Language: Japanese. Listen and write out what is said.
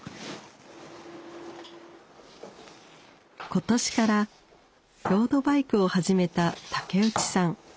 今年からロードバイクを始めた竹内さん。